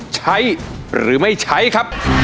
ใช้หรือไม่ใช้ครับ